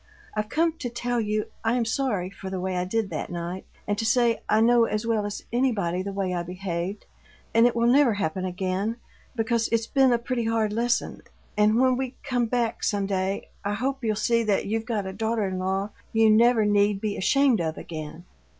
I've come to tell you I am sorry for the way I did that night, and to say I know as well as anybody the way I behaved, and it will never happen again, because it's been a pretty hard lesson; and when we come back, some day, I hope you'll see that you've got a daughter in law you never need to be ashamed of again.